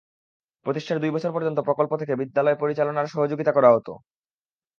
প্রতিষ্ঠার দুই বছর পর্যন্ত প্রকল্প থেকে বিদ্যালয় পরিচালনায় সহযোগিতা করা হতো।